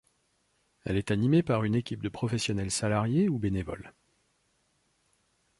Elle est animée par une équipe de professionnels salariés ou bénévoles.